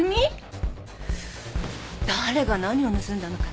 誰が何を盗んだのかな？